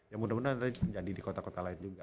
ya mudah mudahan nanti jadi di kota kota lain juga